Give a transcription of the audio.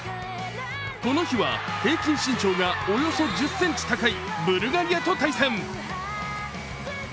この日は平均身長がおよそ１０ｃｍ高いブルガリアと対戦。